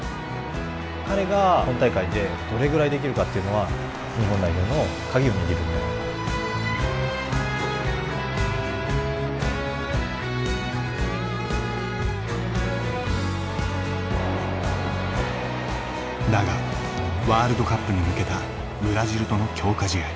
彼が本大会でどれぐらいできるかっていうのはだがワールドカップに向けたブラジルとの強化試合。